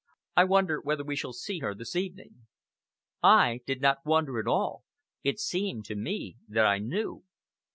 I wonder whether we shall see her this evening?" I did not wonder at all! It seemed to me that I knew!